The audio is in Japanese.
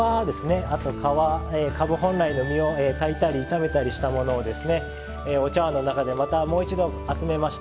あと皮、かぶ本来の実を炊いたり炒めたりしたものをお茶わんの中でまたもう一度集めました。